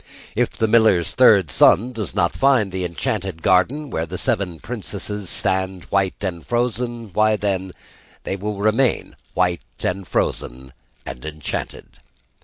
If the miller's third son does not find the enchanted garden where the seven princesses stand white and frozen why, then, they will remain white and frozen and enchanted.